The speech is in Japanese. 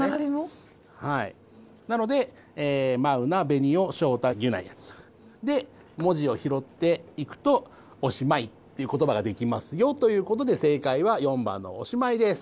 なので「マウナ」「ベニオ」「ショウタ」「ギュナイ」。で文字をひろっていくと「オシマイ」ということばができますよということで正解は４番の「おしまい」です。